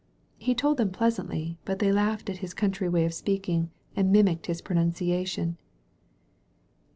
He told them pleasantly, but they laughed at his country way of speaking and mimicked his pronunciation.